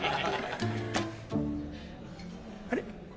あれ？